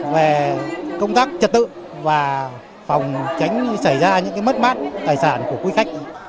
về công tác trật tự và phòng tránh xảy ra những mất mát tài sản của quý khách